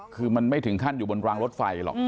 คือมันไม่ถึงขั้นอยู่บนรางรถไฟหรอก